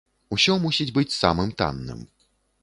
Усё мусіць быць самым танным.